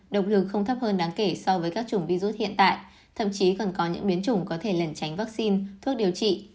động lực không thấp hơn đáng kể so với các chủng virus hiện tại thậm chí còn có những biến chủng có thể lẩn tránh vaccine thuốc điều trị